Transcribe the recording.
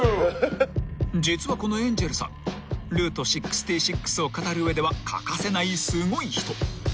［実はこのエンジェルさんルート６６を語る上では欠かせないすごい人］